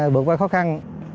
bước qua khó khăn